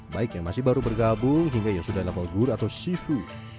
baik yang masih baru bergabung hingga yang sudah level good atau seafoo